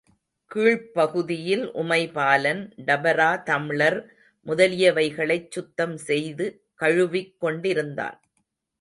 கீழ்ப்பகுதியில் உமைபாலன் டபரா–தம்ளர் முதலியவைகளைச் சுத்தம் செய்து கழுவிக்கொண்டிருந்தான்.